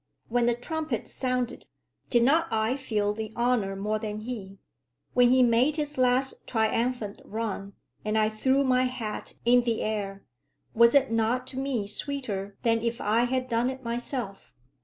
When the trumpet sounded, did not I feel the honour more than he? When he made his last triumphant run, and I threw my hat in the air, was it not to me sweeter than if I had done it myself?